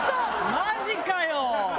マジかよ！